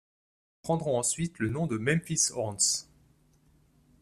Ils prendront ensuite le nom de Memphis Horns.